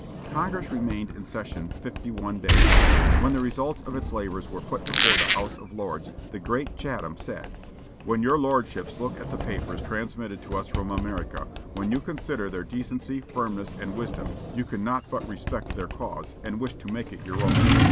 Congress remained in session fifty one days. When the results of its labors were put before the House of Lords, the great Chatham said: "When your lordships look at the papers transmitted to us from America; when you consider their decency, firmness, and wisdom, you cannot but respect their cause, and wish to make it your own.